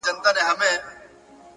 د تجربې ښوونه ژوره اغېزه لري.